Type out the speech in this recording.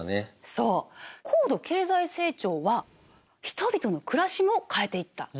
そう高度経済成長は人々の暮らしも変えていった。